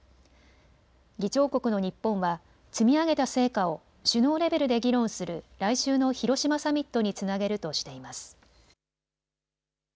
議長国の日本は積み上げた成果を首脳レベルで議論する来週の広島サミットにつなげるとしています。